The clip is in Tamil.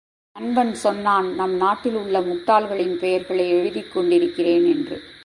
நண்பன் சொன்னான் நம்நாட்டில் உள்ள முட்டாள்களின் பெயர்களை எழுதிக் கொண்டிருக்கிறேன் என்று.